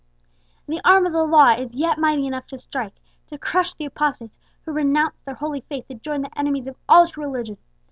The arm of the law is yet mighty enough to strike to crush the apostates who renounce their holy faith to join the enemies of all true religion!"